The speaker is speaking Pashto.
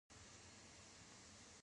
دښمني بده ده.